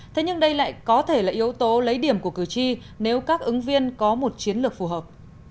thế nhưng đây lại có thể là yếu tố lấy điểm của cử tri nếu các ứng viên có một chiến lược phù hợp